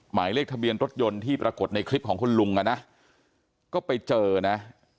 หมายเลขทะเบียนรถยนต์ที่ปรากฏในคลิปของคุณลุงอ่ะนะก็ไปเจอนะ